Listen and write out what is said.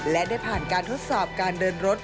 และได้ผ่านการทดสอบการเดินรถ